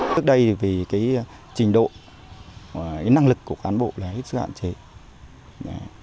tức đây thì cái trình độ cái năng lực của cán bộ là rất là hạn chế